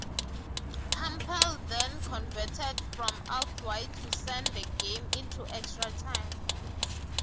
Campbell then converted from out wide to send the game into extra time.